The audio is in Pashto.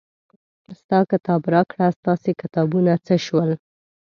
ستا کتاب راکړه ستاسې کتابونه څه شول.